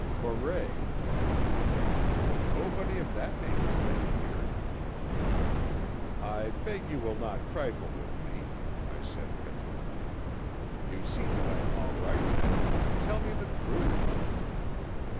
"Corray." "Nobody of that name has been here." "I beg you will not trifle with me," I said petulantly. "You see that I am all right now; tell me the truth."